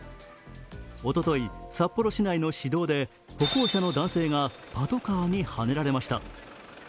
おととい、札幌市内の市道で歩行者の男性がパトカーにはねられました。